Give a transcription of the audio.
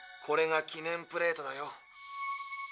これが祈念プレートだよ。